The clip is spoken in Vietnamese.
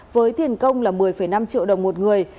với tiền công là một mươi năm triệu đồng một người